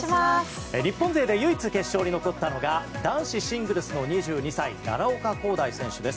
日本勢で唯一決勝に残ったのが男子シングルスの２２歳奈良岡功大選手です。